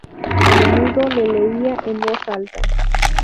A menudo le leía en voz alta.